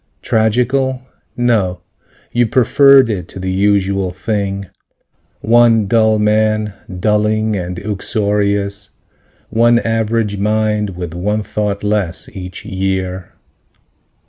Tragical? No. You preferred it to the usual thing: One dull man, dulling and uxorious, One average mind with one thought less, each year.